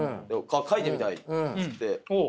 「書いてみたい」つって。